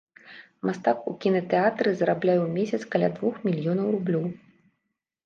Мастак у кінатэатры зарабляе ў месяц каля двух мільёнаў рублёў.